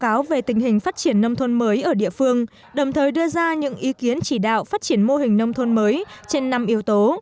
báo cáo về tình hình phát triển nông thôn mới ở địa phương đồng thời đưa ra những ý kiến chỉ đạo phát triển mô hình nông thôn mới trên năm yếu tố